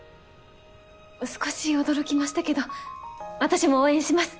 少し驚きましたけど私も応援します。